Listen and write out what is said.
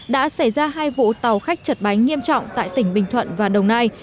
đã xảy ra hai vụ tàu khách chật bánh nghiêm trọng tại tỉnh bình thuận và đồng nai